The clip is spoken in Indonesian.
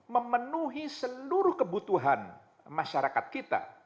memenuhi seluruh kebutuhan masyarakat kita